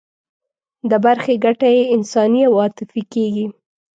د برخې ګټه یې انساني او عاطفي کېږي.